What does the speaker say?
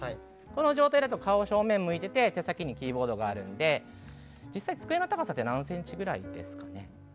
この状態だと顔が正面向いてて手先にキーボードがあるので実際、机の高さって何センチくらいですかね？